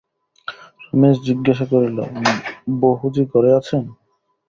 রমেশ জিজ্ঞাসা করিল, বহুজি ঘরে আছেন?